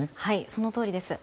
そのとおりです。